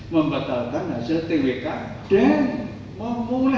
membatalkan hasil twk dan memulai